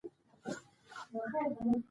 ملالۍ په لوړ ځای کې ودرېدلې ده.